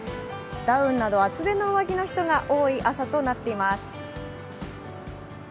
ダウンなど厚手の上着の人が多い朝となっています。